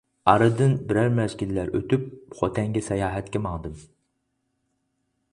ئارىدىن بىرەر مەزگىللەر ئۆتۈپ خوتەنگە ساياھەتكە ماڭدىم.